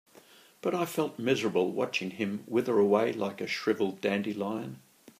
But I felt miserable watching him wither away like a shriveled dandelion.